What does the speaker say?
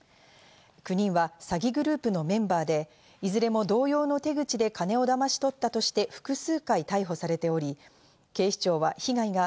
９人は詐欺グループのメンバーで、いずれも同様の手口で金をだまし取ったとして、お天気です。